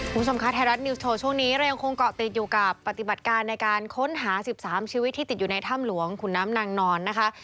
คุณผู้ชมคะไทยรัฐนิวส์โชว์ช่วงนี้เรายังคงเกาะติดอยู่กับปฏิบัติการในการค้นหา๑๓ชีวิตที่ติดอยู่ในถ้ำหลวงขุนน้ำนางนอนนะคะ